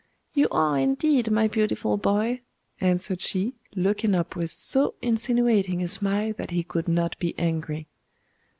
'You are indeed, my beautiful boy,' answered she, looking up with so insinuating a smile that he could not be angry.